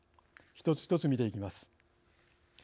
一つ一つ見ていきます。